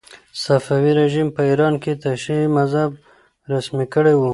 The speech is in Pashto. صفوي رژیم په ایران کې تشیع مذهب رسمي کړی و.